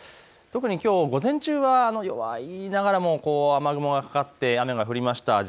特にきょう午前中は弱いながらも雨雲がかかって雨が降りました。